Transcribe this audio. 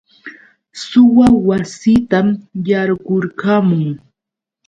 Suwa wasiitan yaykurqamun.